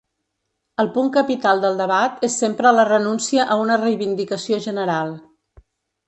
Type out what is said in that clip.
El punt capital del debat és sempre la renúncia a una reivindicació general.